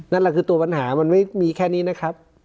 นั่นแหละคือตัวปัญหามันไม่มีแค่นี้นะครับ